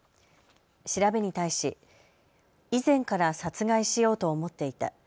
調べに対し以前から殺害しようと思っていた。